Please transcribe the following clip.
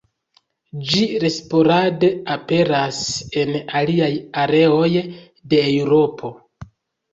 Ĝi sporade aperas en aliaj areoj de Eŭropo.